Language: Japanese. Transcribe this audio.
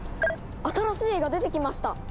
新しい絵が出てきました！